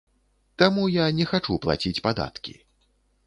Таму я не хачу плаціць падаткі.